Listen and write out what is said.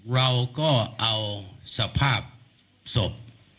เราก็เอาสภาพศพ